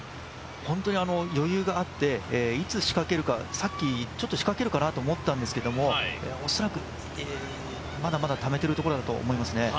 本当に余裕があって、いつ仕掛けるか、さっき、仕掛けるかなと思ったんですけど恐らくまだまだためているところだと思いますね。